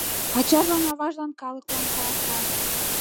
Ачажлан-аважлан, калыклан каласа: